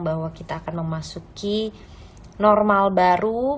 bahwa kita akan memasuki normal baru